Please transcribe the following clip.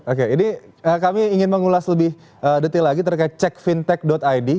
oke ini kami ingin mengulas lebih detil lagi terkait cek fintech id